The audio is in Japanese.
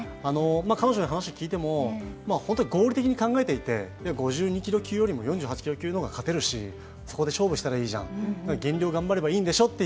彼女に話を聞いても本当に合理的に考えていて、５２キロ級よりも４８キロ級の方が勝てるしそこで勝負したらいいじゃん、減量頑張ればいいんでしょって